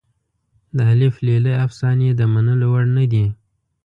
د الف لیله افسانې د منلو وړ نه دي.